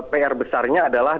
pr besarnya adalah